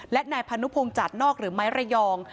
และนายพานุพงศ์จัดนอกหรือไม้ระยอง